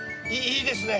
いいですね！